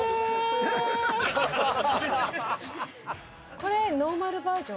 これノーマルバージョン？